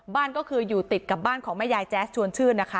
บ้านก็คืออยู่ติดกับบ้านของแม่ยายแจ๊สชวนชื่นนะคะ